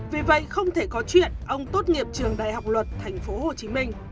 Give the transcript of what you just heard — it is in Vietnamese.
vì vậy không thể có chuyện ông tốt nghiệp trường đại học luật tp hcm